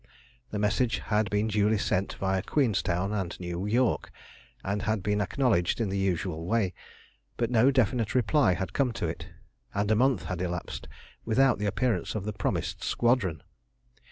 The message had been duly sent viâ Queenstown and New York, and had been acknowledged in the usual way, but no definite reply had come to it, and a month had elapsed without the appearance of the promised squadron.